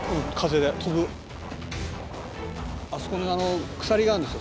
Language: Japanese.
「あそこに鎖があるでしょ」